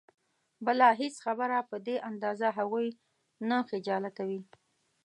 بله هېڅ خبره په دې اندازه هغوی نه خجالتوي.